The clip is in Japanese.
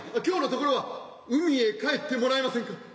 今日のところは海へ帰ってもらえませんか？